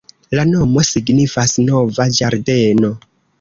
La nomo signifas nova ĝardeno.